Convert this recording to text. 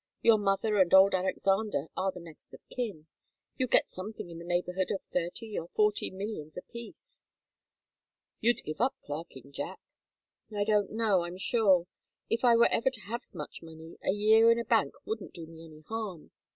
Your mother and old Alexander are the next of kin. They'd get something in the neighbourhood of thirty or forty millions apiece. You'd give up clerking, Jack." "I don't know, I'm sure. If I were ever to have much money, a year in a bank wouldn't do me any harm.